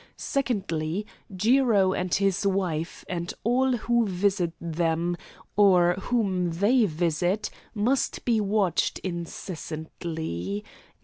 Secondly, Jiro and his wife, and all who visit them, or whom they visit, must be watched incessantly.